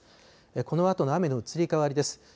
このあとの雨の移り変わりです。